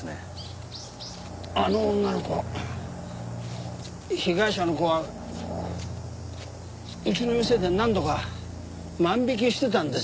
あの女の子被害者の子はうちの店で何度か万引きしてたんですよ。